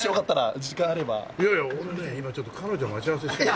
いやいや俺ね今ちょっと彼女待ち合わせしてる。